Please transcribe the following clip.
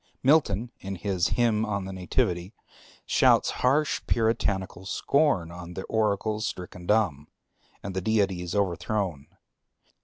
Milton in his Hymn on the Nativity shouts harsh Puritanical scorn on the oracles stricken dumb, and the deities overthrown.